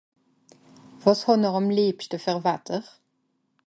wàs hànn'r àm leebschte ver watter ?